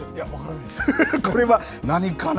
これは何かな？